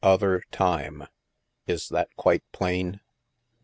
. other time! Is that quite plain?"